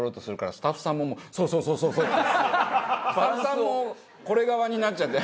スタッフさんもこれ側になっちゃって。